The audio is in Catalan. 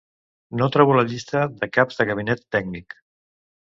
No trobo la llista de caps de gabinet tècnic.